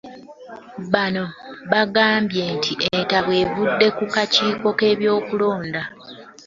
Bano bagambye nti entabwe yavudde ku kakiiko k'ebyokulonda